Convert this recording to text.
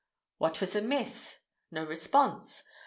What was amiss? No response.